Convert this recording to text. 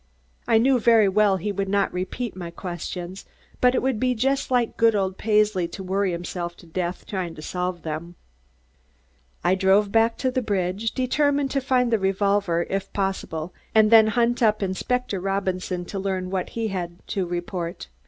I knew very well he would not repeat my questions, but it would be just like good old Paisley to worry himself to death trying to solve them. I drove back to the bridge, determined to find the revolver, if possible, and then hunt up Inspector Robinson to learn what he had to report.